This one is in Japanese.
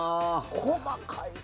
細かいな。